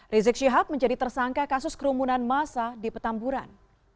rizik shihab menjadi tersangka kasus kerumunan massa di petamburan